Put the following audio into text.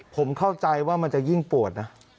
ผมเข้าใจว่ามันจะยิ่งปวดนะ